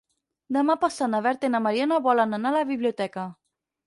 Demà passat na Berta i na Mariona volen anar a la biblioteca.